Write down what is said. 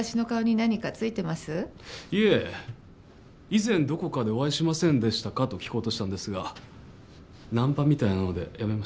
以前どこかでお会いしませんでしたかと聞こうとしたんですがナンパみたいなのでやめました。